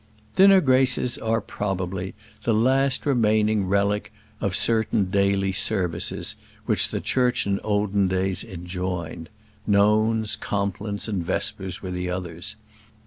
Dinner graces are, probably, the last remaining relic of certain daily services which the Church in olden days enjoined: nones, complines, and vespers were others.